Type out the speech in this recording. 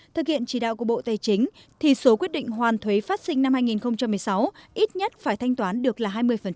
thực hiện chỉ đạo của bộ tài chính thì số quyết định hoàn thuế phát sinh năm hai nghìn một mươi sáu ít nhất phải thanh toán được là hai mươi